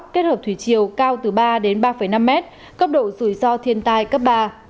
kết hợp thủy chiều cao từ ba đến ba năm m cấp độ rủi ro thiên tai cấp ba